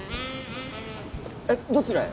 えっ？どちらへ？